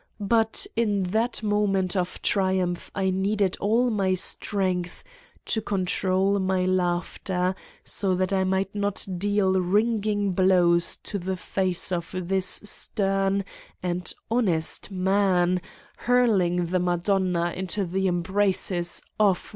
But in that moment of tri umph I needed all my strength to control my laughter so that I might not deal ringing blows to the face of this stern and honest man hurling the Madonna into the embraces of